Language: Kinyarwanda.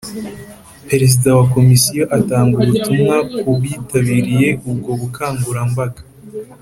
Perezida wa Komisiyo atanga ubutumwa ku bitabiriye ubwo bukangurambaga